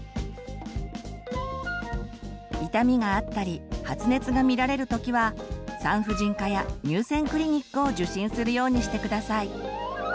痛みがあったり発熱が見られる時は産婦人科や乳腺クリニックを受診するようにして下さい。